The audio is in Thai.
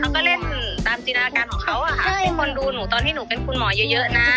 แล้วก็เล่นตามจินตนาการของเขาให้คนดูหนูตอนที่หนูเป็นคุณหมอเยอะนะ